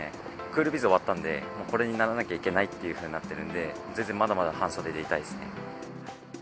クールビズ終わったんで、これにならなきゃいけないっていうふうになっているんで、全然、まだまだ半袖でいたいですね。